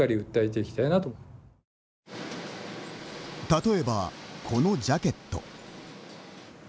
例えば、このジャケット。